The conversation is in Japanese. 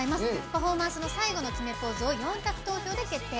パフォーマンスの最後の決めポーズを４択投票で決定。